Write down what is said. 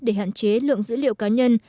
để hạn chế lượng dữ liệu cá nhân